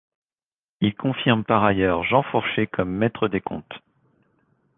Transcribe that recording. Il confirme par ailleurs Jean Fourché comme maître des comptes.